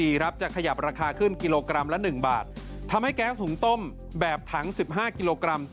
จะขยับราคาขึ้นกิโลกรัมละ๑บาททำให้แก๊สหุงต้มแบบถังสิบห้ากิโลกรัม